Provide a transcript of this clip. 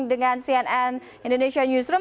dengan cnn indonesia newsroom